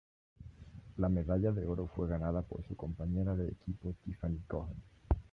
La medalla de oro fue ganada por su compañera de equipo Tiffany Cohen.